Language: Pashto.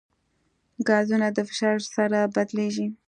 ګازونه د فشار سره بدلېږي.